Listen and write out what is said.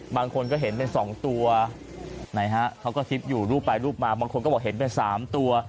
บางคนก็เห็นเป็นสองตัวเขาก็กระซิบอยู่รูปไปรูปมาบางคนก็บอกเห็นเป็นสามตัว